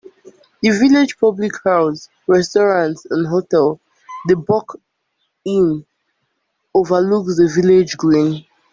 The village public house, restaurant and hotel, "The Buck Inn" overlooks the village green.